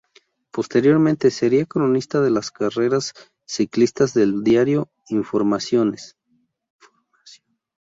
Posteriormente, sería cronista de las carreras ciclistas del diario "Informaciones".